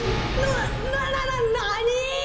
ななななに！？